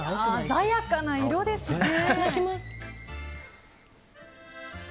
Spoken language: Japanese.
鮮やかな色ですね。